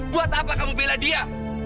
buat apa kamu bela dia